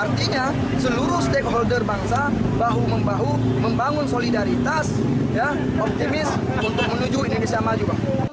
artinya seluruh stakeholder bangsa bahu membahu membangun solidaritas optimis untuk menuju indonesia maju